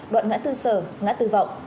đoạn ngã tư sở ngã tư vọng